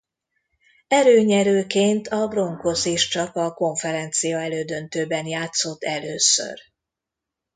Erőnyerőként a Broncos is csak a konferencia-elődöntőben játszott először.